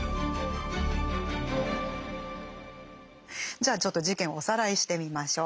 じゃあちょっと事件をおさらいしてみましょう。